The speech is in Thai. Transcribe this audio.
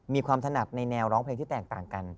ถนัดในแนวร้องเพลงที่แตกต่างกัน